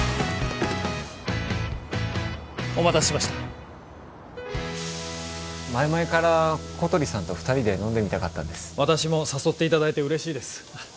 お待たせしました前々から小鳥さんと２人で飲んでみたかったんです私も誘っていただいて嬉しいですあっ